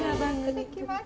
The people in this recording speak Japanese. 頂きます。